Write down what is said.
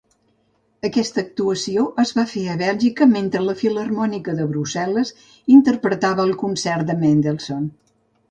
Aquesta actuació es va fer a Bèlgica mentre la Filarmònica de Brussel·les interpretava el concert de Mendelssohn.